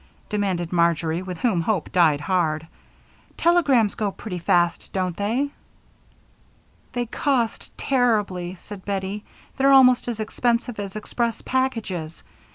demanded Marjory, with whom hope died hard. "Telegrams go pretty fast, don't they?" "They cost terribly," said Bettie. "They're almost as expensive as express packages.